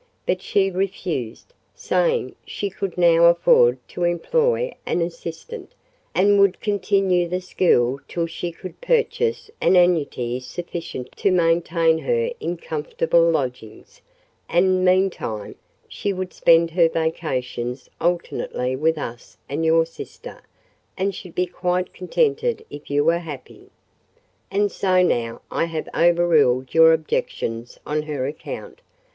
But she refused, saying she could now afford to employ an assistant, and would continue the school till she could purchase an annuity sufficient to maintain her in comfortable lodgings; and, meantime, she would spend her vacations alternately with us and your sister, and should be quite contented if you were happy. And so now I have overruled your objections on her account.